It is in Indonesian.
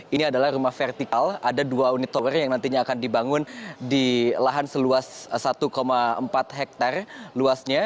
ini adalah rumah vertikal ada dua unit tower yang nantinya akan dibangun di lahan seluas satu empat hektare luasnya